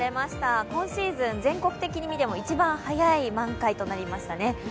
今シーズン、全国的に見ても一番早い満開となりましたね。